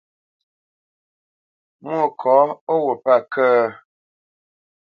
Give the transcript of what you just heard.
Mwôkɔ̌, ó wut pə̂ kə̂?